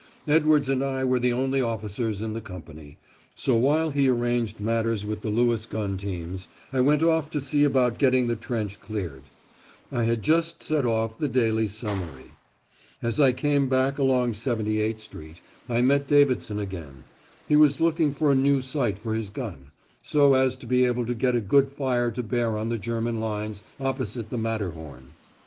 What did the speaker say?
Edwards and I were the only officers in the company, so while he arranged matters with the Lewis gun teams, I went off to see about getting the trench cleared. I had just sent off the "daily summary," my copy of which is reproduced on page 179. As I came back along 78 Street, I met Davidson again. He was looking for a new site for his gun, so as to be able to get a good fire to bear on the German lines opposite the Matterhorn.